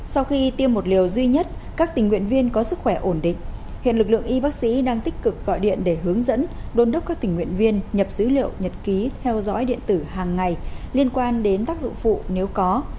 sau khi tiêm một liều duy nhất các tình nguyện viên có sức khỏe ổn định hiện lực lượng y bác sĩ đang tích cực gọi điện để hướng dẫn đôn đốc các tình nguyện viên nhập dữ liệu nhật ký theo dõi điện tử hàng ngày liên quan đến tác dụng phụ nếu có